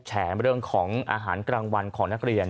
แฉเรื่องของอาหารกลางวันของนักเรียน